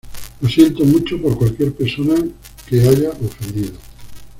Lo siento mucho por cualquier persona que haya ofendido".